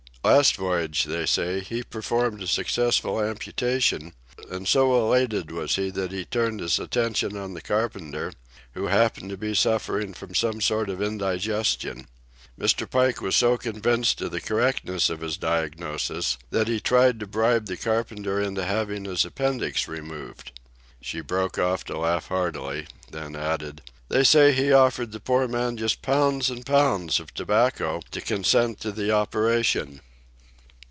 Last voyage, they say, he performed a successful amputation, and so elated was he that he turned his attention on the carpenter, who happened to be suffering from some sort of indigestion. Mr. Pike was so convinced of the correctness of his diagnosis that he tried to bribe the carpenter into having his appendix removed." She broke off to laugh heartily, then added: "They say he offered the poor man just pounds and pounds of tobacco to consent to the operation."